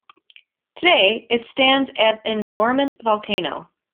Today, it stands as an dormant volcano.